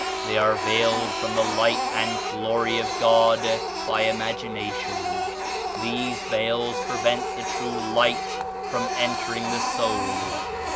They are veiled from the 29 Light and Gloiy of God by imagination. These veils prevent the true Light from entering the soul.